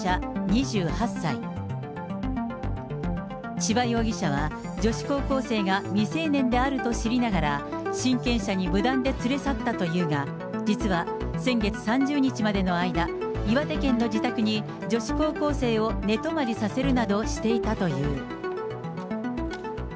千葉容疑者は、女子高校生が未成年であると知りながら、親権者に無断で連れ去ったというが、実は先月３０日までの間、岩手県の自宅に女子高校生を寝泊まりさせるなどしていたという。